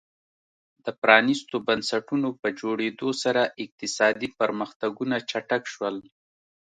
د پرانیستو بنسټونو په جوړېدو سره اقتصادي پرمختګونه چټک شول.